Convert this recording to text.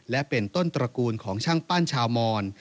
และเป็นต้นตระกูลของช่างปั้นชาวมอน